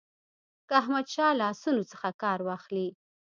که احمدشاه له آسونو څخه کار واخلي.